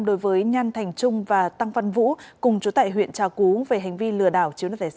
đối với nhan thành trung và tăng văn vũ cùng chú tại huyện trà cú về hành vi lừa đảo